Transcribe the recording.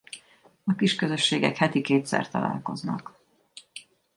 A kisközösségek heti kétszeri találkoznak.